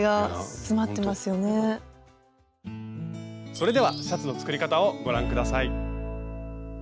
それではシャツの作り方をご覧下さい。